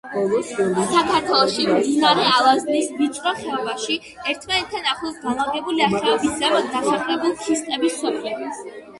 საქართველოში, მდინარე ალაზნის ვიწრო ხეობაში ერთმანეთთან ახლოს განლაგებულია ხეობის ზემოთ დასახლებულ ქისტების სოფლები.